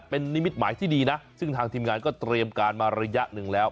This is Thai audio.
เป็นนิมิตหมายที่ดีนะซึ่งทางทีมงานก็เตรียมการมาระยะหนึ่งแล้ว